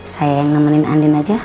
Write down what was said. saya yang nemenin andin aja